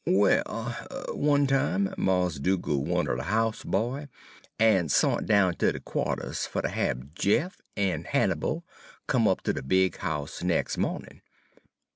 "Well, one time Mars' Dugal' wanted a house boy, en sont down ter de qua'ters fer ter hab Jeff en Hannibal come up ter de big house nex' mawnin'.